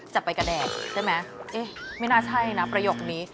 จับไปกระแดกได้ไหมไม่น่าใช่นะประโยคนี้